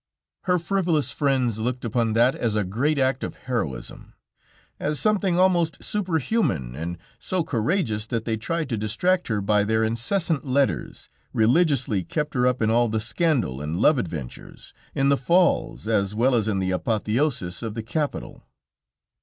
Her frivolous friends looked upon that as a great act of heroism, as something almost super human, and so courageous, that they tried to distract her by their incessant letters, religiously kept her up in all the scandal, and love adventures, in the falls, as well as in the apotheosis of the capital.